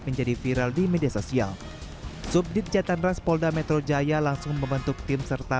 menjadi viral di media sosial subjek jatandra spolda metro jaya langsung membentuk tim serta